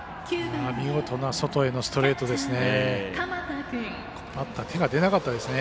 見事な外へのストレートですね。